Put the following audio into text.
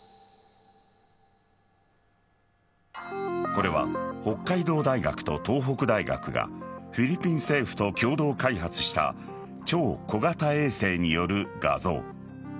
これは北海道大学と東北大学がフィリピン政府と共同開発した超小型衛星による画像。